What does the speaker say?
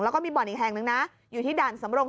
แล้วก็มีบ่อนอีกแห่งนึงนะอยู่ที่ด่านสำรง